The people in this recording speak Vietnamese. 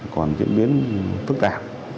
còn diễn biến phức tạp